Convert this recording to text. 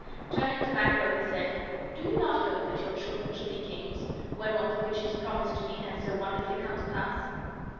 Turning to Banquo, he said, "Do you not hope that your children shall be kings, when what the witches promised to me has so wonderfully come to pass?"